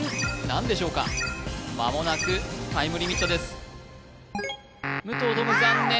何でしょうかまもなくタイムリミットです武藤十夢残念